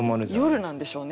夜なんでしょうね。